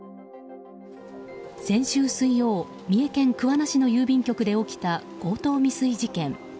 先週水曜、三重県桑名市の郵便局で起きた強盗未遂事件。